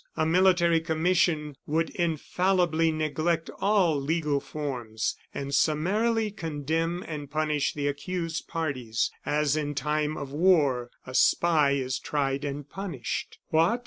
A military commission would infallibly neglect all legal forms; and summarily condemn and punish the accused parties, as in time of war a spy is tried and punished. "What!"